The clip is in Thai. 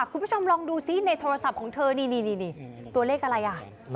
คุณผู้ชมลองดูซิในโทรศัพท์ของเธอนี่ตัวเลขอะไรอ่ะ